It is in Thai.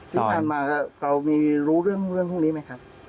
ที่ผ่านมาเรามีรู้เรื่องพวกนี้ไหมครับ